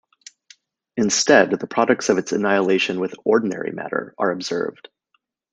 Instead, the products of its annihilation with ordinary matter are observed.